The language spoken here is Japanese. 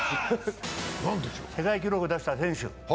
世界記録出した選手。